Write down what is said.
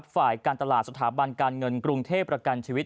ฝ่ายการตลาดสถาบันการเงินกรุงเทพประกันชีวิต